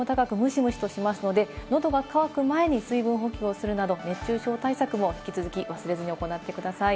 湿度も高くムシムシとしますので、喉が渇く前に水分補給をするなど、熱中症対策も引き続き、忘れずに行ってください。